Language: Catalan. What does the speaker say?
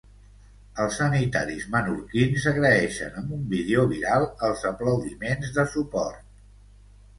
Els sanitaris menorquins agraeixen amb un vídeo viral els aplaudiments de suport.